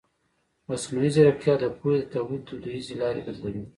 مصنوعي ځیرکتیا د پوهې د تولید دودیزې لارې بدلوي.